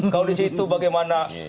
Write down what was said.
kalau disitu bagaimana